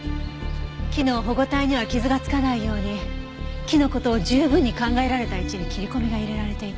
木の保護帯には傷がつかないように木の事を十分に考えられた位置に切り込みが入れられていた。